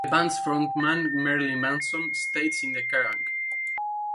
The band's frontman Marilyn Manson states in the Kerrang!